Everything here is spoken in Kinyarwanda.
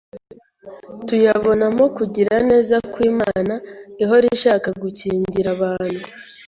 Tuyabonamo kugira neza kw’Imana, ihora ishaka gukingira abantu